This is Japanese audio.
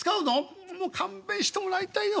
うもう勘弁してもらいたいね